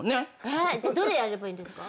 えじゃあどれやればいいんですか？